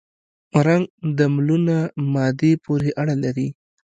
رنګ د ملونه مادې پورې اړه لري.